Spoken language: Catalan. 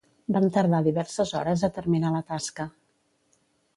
Van tardar diverses hores a terminar la tasca.